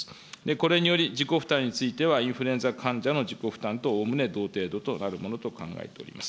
これにより、自己負担についてはインフルエンザ患者の自己負担と、おおむね同程度となるものと考えております。